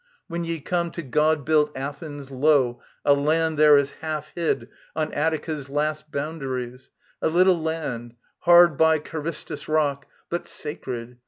When ye come To god built Athens, lo, a land there is Half hid on Attica's last boundaries, A little land, hard by Karystus' Rock, But sacred.